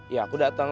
ya aku dateng